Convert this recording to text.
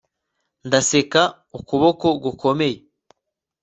Ndaseka ukuboko gukomeye